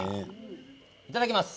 いただきます。